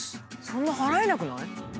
そんな払えなくない？